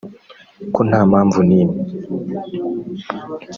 kuko nta mpamvu n’imwe